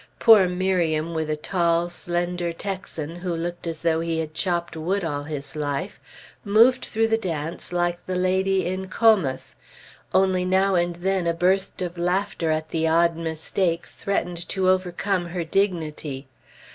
Poor Miriam, with a tall, slender Texan who looked as though he had chopped wood all his life, moved through the dance like the lady in "Comus"; only, now and then a burst of laughter at the odd mistakes threatened to overcome her dignity.